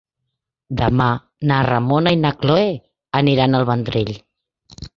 Demà na Ramona i na Cloè aniran al Vendrell.